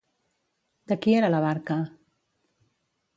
De qui era la barca?